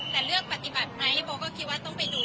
แต่เลือกปฏิบัติไหมโบก็คิดว่าต้องไปดู